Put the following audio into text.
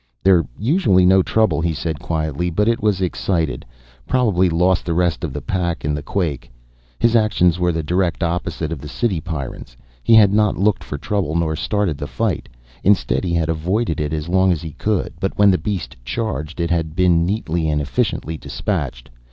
"They're usually no trouble," he said quietly, "but it was excited. Probably lost the rest of the pack in the quake." His actions were the direct opposite of the city Pyrrans. He had not looked for trouble nor started the fight. Instead he had avoided it as long as he could. But when the beast charged it had been neatly and efficiently dispatched.